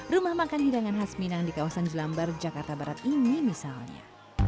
rumah makan hidangan khas minang di kawasan jelambar jakarta barat ini misalnya